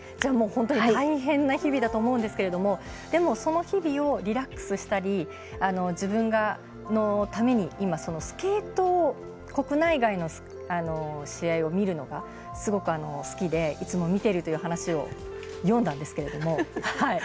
もう本当に大変な日々だと思うんだけどでも、その日々をリラックスしたり、自分のために今、スケートを国内外の試合を見るのがすごく好きでいつも見ているという話を読んだんですけれども。